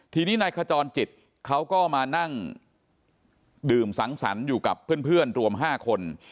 ทีนี้นายขจรจิตเขาก็มานั่งดื่มสังสรรค์อยู่กับเพื่อนรวม๕คน